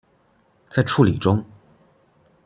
在處理中